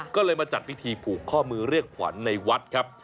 ก็เลยมาจัดพิธีผูกข้อมือเรียกขวัญในวัดครับ